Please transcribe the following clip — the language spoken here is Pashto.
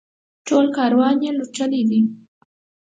ټول کاروان یې لوټلی دی.